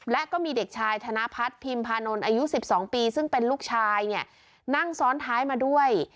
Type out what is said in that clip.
และก็มีเด็กชายธนพัฒน์พิมพานนท์อายุ๑๒ปีซึ่งเป็นลูกชายเนี่ยนั่งซ้อนท้ายมาด้วย